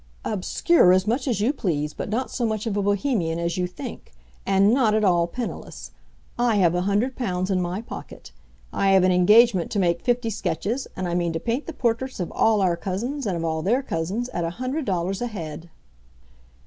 "Obscure as much as you please, but not so much of a Bohemian as you think. And not at all penniless! I have a hundred pounds in my pocket. I have an engagement to make fifty sketches, and I mean to paint the portraits of all our cousins, and of all their cousins, at a hundred dollars a head."